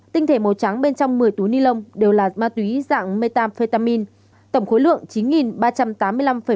tinh thể màu trắng bên trong một mươi túi ni lông đều là ma túy dạng methamphetamine tổng khối lượng chín ba trăm tám mươi năm một mươi bốn gram